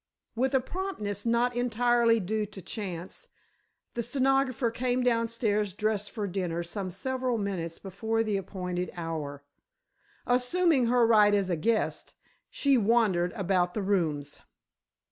With a promptness not entirely due to chance, the stenographer came downstairs dressed for dinner some several minutes before the appointed hour. Assuming her right as a guest, she wandered about the rooms.